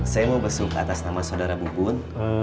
saya mau besuk atas nama saudara bukun